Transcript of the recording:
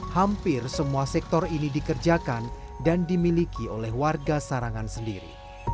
hampir semua sektor ini dikerjakan dan dimiliki oleh warga sarangan sendiri